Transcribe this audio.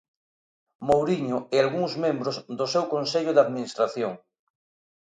Mouriño e algúns membros do seu consello de administración.